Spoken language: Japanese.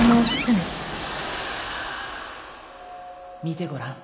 見てごらん。